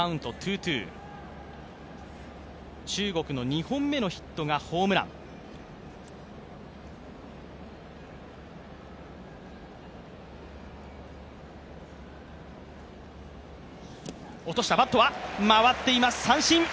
中国の２本目のヒットがホームラン落とした、バットは回っています、三振。